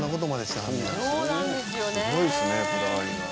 「すごいですねこだわりが」